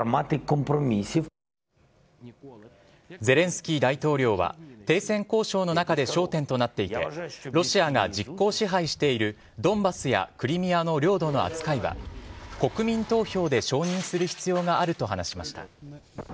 ゼレンスキー大統領は、停戦交渉の中で焦点となっていて、ロシアが実効支配している、ドンバスやクリミアの領土の扱いは、国民投票で承認する必要があると話しました。